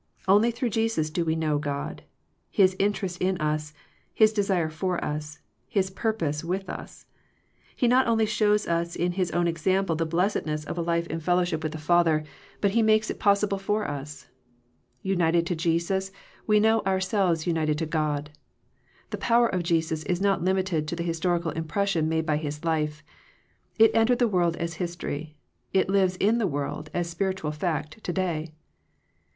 Only through Jesus do we know God, His interest in us, His desire for us. His purpose with us. He not only shows us in His own example the blessedness of a life in fel« 224 Digitized by VjOOQIC THE HIGHER FRIENDSHIP lowship with the Father, but He makes it possible for us. United to Jesus, we know ourselves united to God. The power of Jesus is not limited to the his torical impression made by His life. It entered the world as history; it lives in the world as spiritual fact to day.